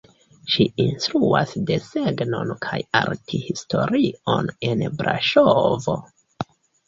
Ŝi instruas desegnon kaj arthistorion en Braŝovo.